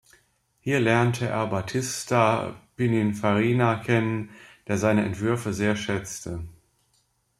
Hier lernte er Battista Pininfarina kennen, der seine Entwürfe sehr schätzte.